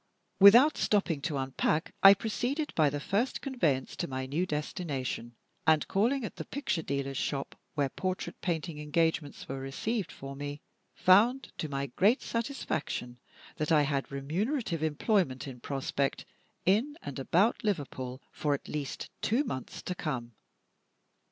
Without stopping to unpack, I proceeded by the first conveyance to my new destination; and, calling at the picture dealer's shop, where portrait painting engagements were received for me, found to my great satisfaction that I had remunerative employment in prospect, in and about Liverpool, for at least two months to come.